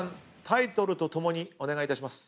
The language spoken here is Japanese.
タイトルとともにお願いいたします。